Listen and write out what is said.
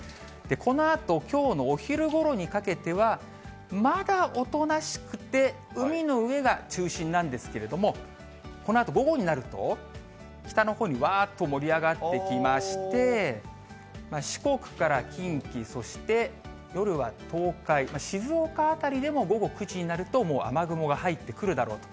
このあと、きょうのお昼ごろにかけては、まだおとなしくて海の上が中心なんですけれども、このあと午後になると、北のほうにわーっと盛り上がってきまして、四国から近畿、そして夜は東海、静岡辺りでも午後９時になるともう雨雲が入ってくるだろうと。